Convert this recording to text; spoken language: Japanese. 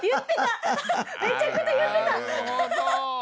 めちゃくちゃ言ってたハハハ！